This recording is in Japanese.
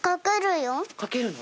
かけるの？